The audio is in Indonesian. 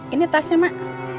ini tasnya mak